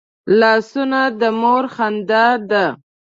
لاسونه د مور خندا ده